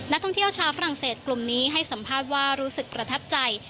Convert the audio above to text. นักท่องเที่ยวชาวฝรั่งเศสกลุ่มนี้ให้สัมภาษณ์ว่ารู้สึกประทับใจ